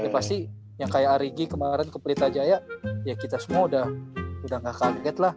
ya pasti yang kayak arigi kemarin ke pelita jaya ya kita semua udah gak kaget lah